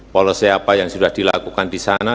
policy apa yang sudah dilakukan di sana